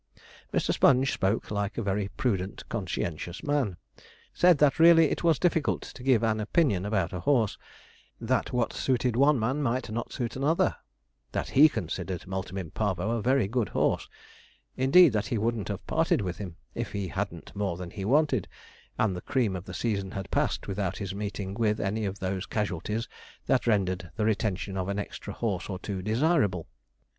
Mr. Sponge spoke like a very prudent, conscientious man; said that really it was difficult to give an opinion about a horse; that what suited one man might not suit another that he considered Multum in Parvo a very good horse; indeed, that he wouldn't have parted with him if he hadn't more than he wanted, and the cream of the season had passed without his meeting with any of those casualties that rendered the retention of an extra horse or two desirable.